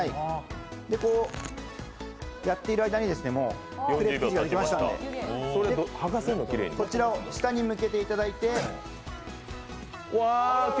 こうやっている間にもうクレープができましたので、こちらを下に向けていただいて。